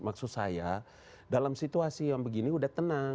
maksud saya dalam situasi yang begini udah tenang